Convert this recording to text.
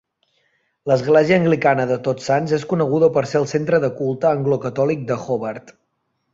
L'església anglicana de Tots Sants és coneguda per ser el centre de culte anglo-catòlic de Hobart.